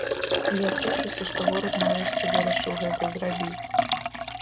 Я цешуся, што горад нарэшце вырашыў гэта зрабіць.